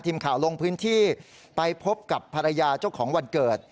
ทีมข่าวลงพื้นที่ไปพบกับภรรยาเจ้าของวันเกิด